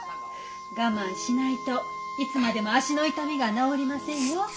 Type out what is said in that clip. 我慢しないといつまでも足の痛みが治りませんよ。